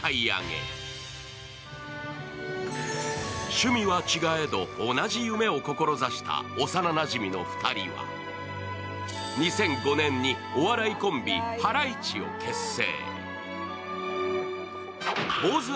趣味は違えど同じ夢を志した幼なじみの２人は２００５年にお笑いコンビ、ハライチを結成。